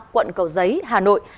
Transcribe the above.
quận cầu giấy hà nội